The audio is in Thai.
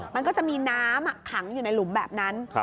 มันก็จะมีน้ำขังอยู่ในหลุมแบบนั้น